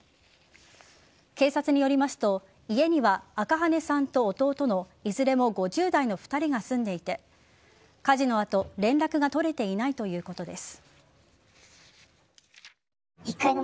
警察によりますと家には赤羽さんと弟のいずれも５０代の２人が住んでいて火事の後連絡が取れていないということです。